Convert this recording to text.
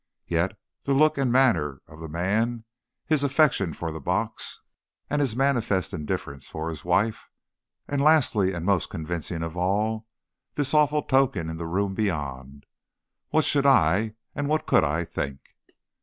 Yet, the look and manner of the man! His affection for the box, and his manifest indifference for his wife! And, lastly, and most convincing of all, this awful token in the room beyond! What should I, what could I think!